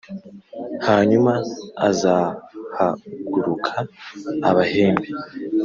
Hanyuma azahaguruka abahembe,